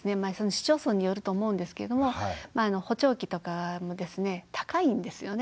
市町村によると思うんですけれども補聴器とかも高いんですよね。